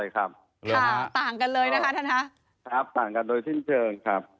ครับต่างกันโดยสิ้นเชิงครับ